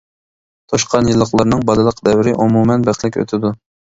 توشقان يىللىقلارنىڭ بالىلىق دەۋرى ئومۇمەن بەختلىك ئۆتىدۇ.